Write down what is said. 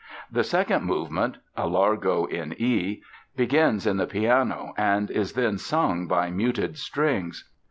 The second movement—a Largo in E—begins in the piano and is then sung by muted strings.